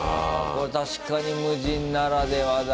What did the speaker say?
これ確かに無人ならではだ。